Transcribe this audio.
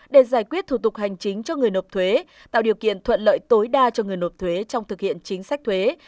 để giải quyết thủ tục hành chính cho người nộp thuế tạo điều kiện thuận lợi tối đa cho người nộp thuế trong thực hiện chính sách thuế